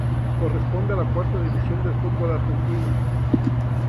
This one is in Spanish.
Corresponde a la cuarta división del fútbol argentino.